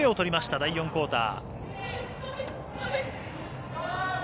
第４クオーター。